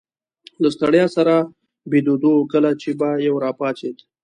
له ستړیا سره بیدېدو، کله چي به یو راپاڅېد.